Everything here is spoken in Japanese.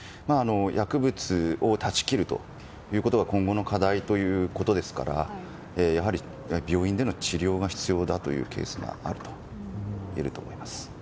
薬物を断ち切るということが今後の課題ということですからやはり病院での治療が必要だというケースがあると言えると思います。